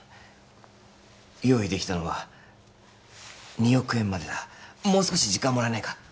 用意できたのは２億円までだもう少し時間もらえないか？